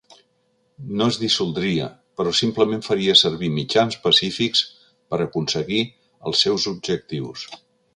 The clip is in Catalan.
No es dissoldria, però simplement faria servir mitjans pacífics per aconseguir els seus objectius.